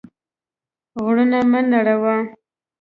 غرونه مه نړوه.